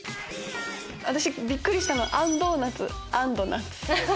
私びっくりしたのは「あんドーナツａｎｄ夏」。